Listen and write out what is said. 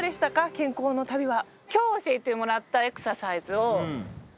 健康の旅は。